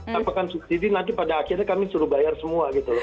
sampaikan subsidi nanti pada akhirnya kami suruh bayar semua gitu loh